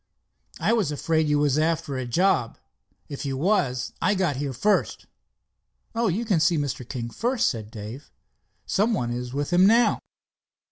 "I was afraid you was after a job. If you was, I got here first." "Oh, you can see Mr. King first," said Dave. "Some one is with him now."